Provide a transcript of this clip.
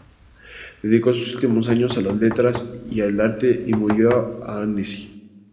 Dedicó sus últimos años a las letras y el arte, y murió a Annecy.